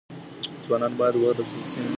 ځوانان بايد وروزل سي.